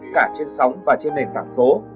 cả trên sóng và trên nền tảng số